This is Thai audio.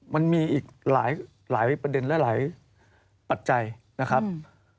มันมีอีกหลายประเด็นหลายปัจจัยนะครับ